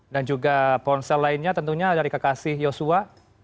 dan juga ponsel lainnya tentunya dari kak kasih joshua